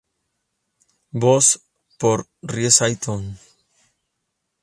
Voz por: Rie Saitō.